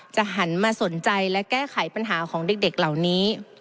หันมาสนใจและแก้ไขปัญหาของเด็กเหล่านี้